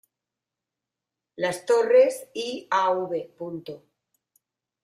Las Torres y Av.